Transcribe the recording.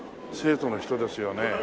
生徒の人ですよね。